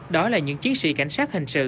đó là những chiến sĩ cảnh sát hình sự